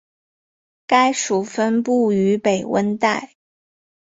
该属分布于北温带。